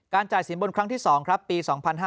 การจ่ายสินบนครั้งที่๒ครับปี๒๕๓๕๒๕๔๐